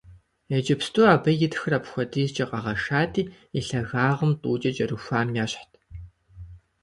Иджыпсту абы и тхыр апхуэдизкӀэ къэгъэшати, и лъагагъым тӀукӀэ кӀэрыхуам ещхьт.